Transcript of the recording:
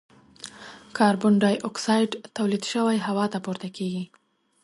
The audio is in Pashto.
کاربن ډای اکسایډ تولید شوی هوا ته پورته کیږي.